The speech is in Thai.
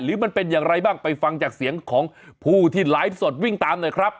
มันเป็นอย่างไรบ้างไปฟังจากเสียงของผู้ที่ไลฟ์สดวิ่งตามหน่อยครับ